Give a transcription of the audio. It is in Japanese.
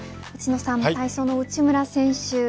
内野さん、体操の内村選手